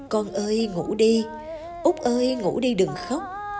con ơi ngủ đi út ơi ngủ đi đừng khóc